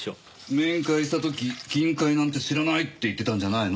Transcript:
面会した時「金塊なんて知らない」って言ってたんじゃないの？